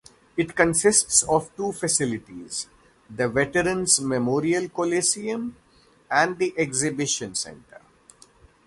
It consists of two facilities: the Veterans Memorial Coliseum and the Exhibition Center.